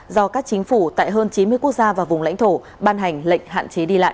do các chính phủ tại hơn chín mươi quốc gia và vùng lãnh thổ ban hành lệnh hạn chế đi lại